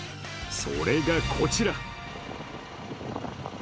それが、こちら！